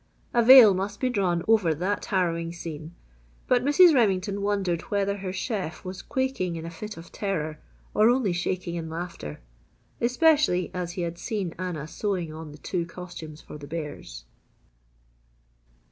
A veil must be drawn over that harrowing scene, but Mrs. Remington wondered whether her chef was quaking in a fit of terror or only shaking in laughter especially as he had seen Anna sewing on the two costumes for the bears.